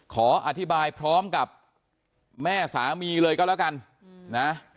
ขออธิบายพร้อมกับแม่สามีเลยก็แล้วกันนะ